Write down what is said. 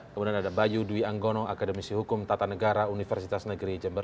kemudian ada bayu dwi anggono akademisi hukum tata negara universitas negeri jember